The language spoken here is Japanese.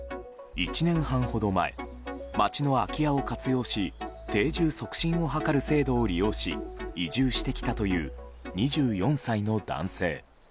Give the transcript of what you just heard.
１年半ほど前町の空き家を活用し定住促進を図る制度を利用し移住してきたという２４歳の男性。